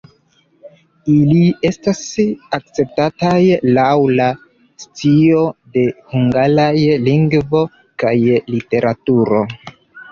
Ili estas akceptataj laŭ la scio de hungaraj lingvo kaj literaturo.